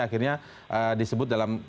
akhirnya disebut dalam